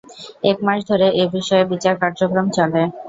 এক মাস ধরে এ বিষয়ে বিচার কার্যক্রম চলে।